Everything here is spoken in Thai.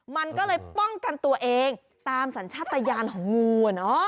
มันก็เลยป้องกันตัวเองตามสัญชาติยานของงู